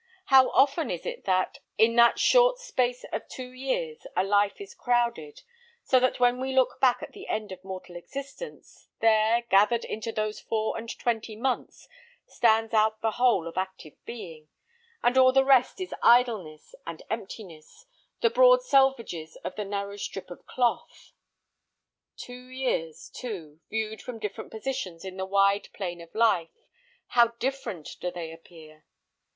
How often is it that, in that short space of two years a life is crowded; so that when we look back at the end of mortal existence, there, gathered into those four and twenty months, stands out the whole of active being, and all the rest is idleness and emptiness, the broad selvages of the narrow strip of cloth. Two years, too, viewed from different positions in the wide plain of life, how different do they appear!